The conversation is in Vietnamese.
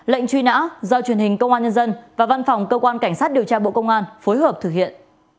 lệnh truy nã do truyền hình công an nhân dân và văn phòng cơ quan cảnh sát điều tra bộ công an phối hợp thực hiện